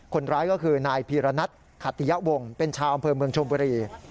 คนร้ายก็คือนายพีรณัทขติยะวงเป็นชาวอำเภอเมืองชมบุรี